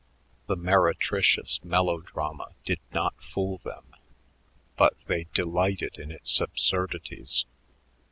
The meretricious melodrama did not fool them, but they delighted in its absurdities.